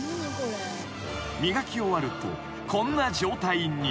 ［磨き終わるとこんな状態に］